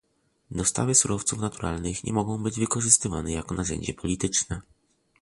Dostawy surowców naturalnych nie mogą być wykorzystywane jako narzędzie polityczne